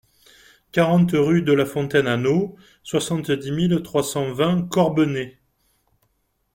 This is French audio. quarante rue de la Fontaine Anneau, soixante-dix mille trois cent vingt Corbenay